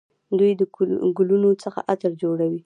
دوی د ګلونو څخه عطر جوړوي.